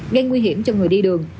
gây nguy hiểm cho người đi đường